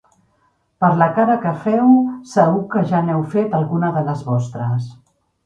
Per la cara que feu, segur que ja n'heu fet alguna de les vostres.